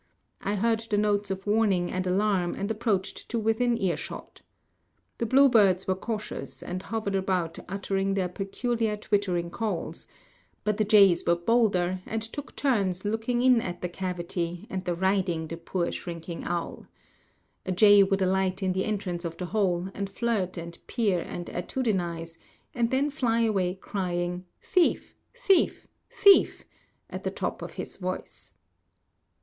I heard the notes of warning and alarm and approached to within eyeshot. The bluebirds were cautious, and hovered about uttering their peculiar twittering calls; but the jays were bolder, and took turns looking in at the cavity and deriding the poor shrinking owl. A jay would alight in the entrance of the hole, and flirt and peer and attitudinize, and then fly away crying "Thief, thief, thief," at the top of his voice.